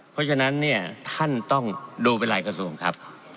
เพราะฉะนั้นเนี่ยท่านต้องดูไปหลายกระทรวงครับ